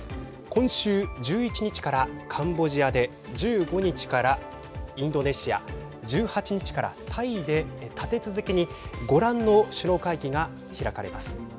今週１１日からカンボジアで１５日からインドネシア１８日からタイで立て続けにご覧の首脳会議が開かれます。